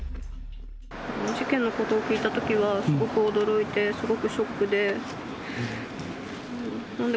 事件のことを聞いたときは、すごく驚いて、すごくショックで。